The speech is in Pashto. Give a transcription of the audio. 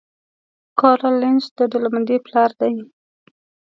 کارل لینس د ډلبندۍ پلار دی